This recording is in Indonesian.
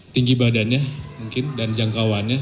tinggi badannya mungkin dan jangkauannya